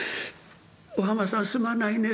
『お浜さんすまないね。